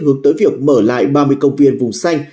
hướng tới việc mở lại ba mươi công viên vùng xanh